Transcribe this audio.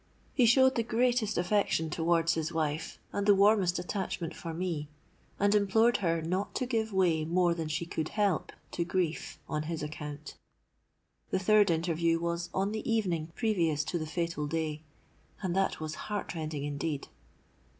He showed the greatest affection towards his wife, and the warmest attachment for me; and implored her not to give way more than she could help to grief on his account. The third interview was on the evening previous to the fatal day; and that was heart rending indeed.